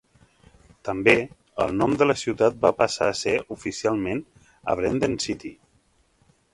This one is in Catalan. També, el nom de la ciutat va passar a ser, oficialment, "Aberdeen City".